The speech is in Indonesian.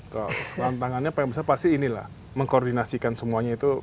kalau tantangannya paling besar pasti inilah mengkoordinasikan semuanya itu